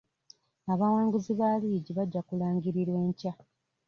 Abawanguzi ba liigi bajja kulangirirwa enkya .